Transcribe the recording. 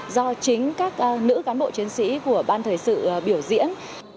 do chính các nữ cán bộ chiến sĩ của ban thời sự biểu diễn